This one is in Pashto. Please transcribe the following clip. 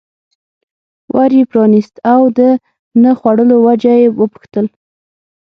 ور یې پرانست او د نه خوړلو وجه یې وپوښتل.